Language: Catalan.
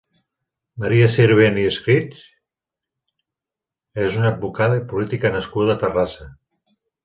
Maria Sirvent i Escrig és una advocada i política nascuda a Terrassa.